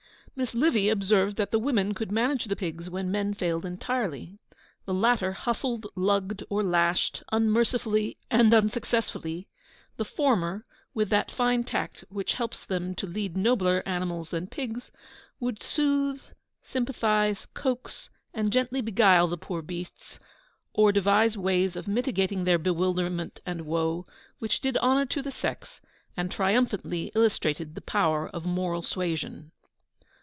Miss Livy observed that the women could manage the pigs when men failed entirely. The latter hustled, lugged, or lashed, unmercifully and unsuccessfully; the former, with that fine tact which helps them to lead nobler animals than pigs, would soothe, sympathise, coax, and gently beguile the poor beasts, or devise ways of mitigating their bewilderment and woe, which did honour to the sex, and triumphantly illustrated the power of moral suasion.